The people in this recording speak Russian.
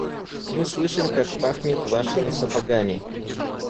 Мы слышим, как пахнет вашими сапогами.